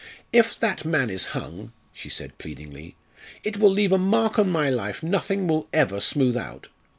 "If that man is hung," she said pleadingly, "it will leave a mark on my life nothing will ever smooth out.